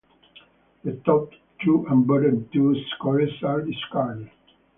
The top two and bottom two scores are discarded.